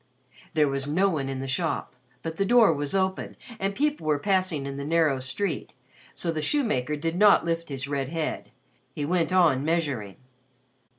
There was no one in the shop, but the door was open and people were passing in the narrow street; so the shoemaker did not lift his red head. He went on measuring.